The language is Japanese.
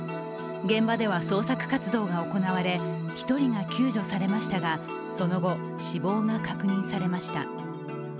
現場では、捜索活動が行われ、１人が救助されましたが、その後、死亡が確認されました。